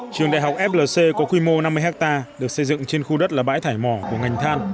trường đại học flc có quy mô năm mươi hectare được xây dựng trên khu đất là bãi thải mỏ của ngành than